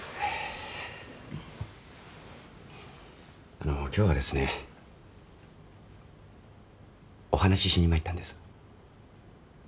あの今日はですねお話ししに参ったんです。